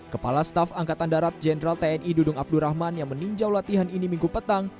kepala staf angkatan darat jenderal tni dudung abdurrahman yang meninjau latihan ini minggu petang